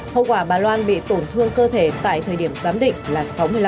hậu quả bà loan bị tổn thương cơ thể tại thời điểm giám định là sáu mươi năm